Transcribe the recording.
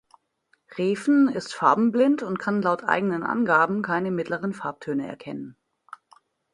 Refn ist farbenblind und kann laut eigenen Angaben keine mittleren Farbtöne erkennen.